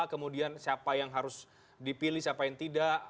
kemudian siapa yang harus dipilih siapa yang tidak